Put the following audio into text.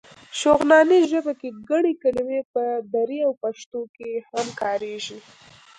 شغناني ژبه کې ګڼې کلمې په دري او پښتو کې هم کارېږي.